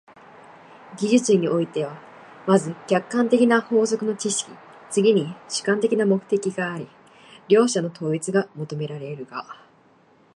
技術においては、まず客観的な法則の知識、次に主観的な目的があり、両者の統一が求められるが、